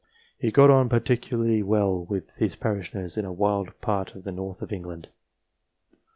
He got on particularly well with his parishioners in a wild part of the north of England.